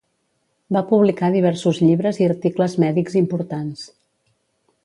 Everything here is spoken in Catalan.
Va publicar diversos llibres i articles mèdics importants.